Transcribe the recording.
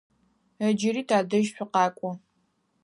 Ыджыри тадэжь шъукъакӏо.